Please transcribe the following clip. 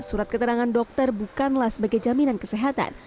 surat keterangan dokter bukanlah sebagai jaminan kesehatan